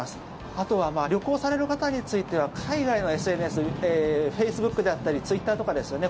あとは旅行される方については海外のＳＮＳフェイスブックであったりツイッターとかですよね。